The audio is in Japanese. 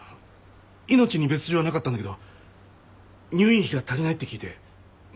命に別条はなかったんだけど入院費が足りないって聞いて。